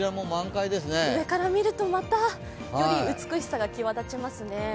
上から見るとまた美しさが際立ちますね。